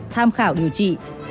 tham khảo điều trị